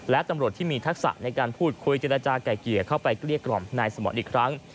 และตำรวจที่มีทักษะในการพูดคุยเจรจาไก่เกลี่ยเข้าไปเกลี้ยกล่อมนายสมรอีกครั้ง